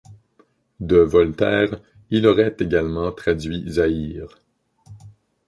De Voltaire, il aurait également traduit Zaïre.